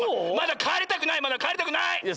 まだかえりたくないまだかえりたくない！